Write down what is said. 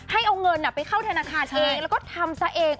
ให้เอาเงินไปเข้าธนาคารเองแล้วก็ทำซะเอง